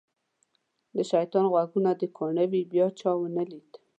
د شیطان غوږونه دې کاڼه وي بیا چا ونه لید.